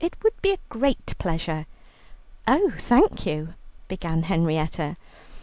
It would be a great pleasure." "Oh, thank you," began Henrietta.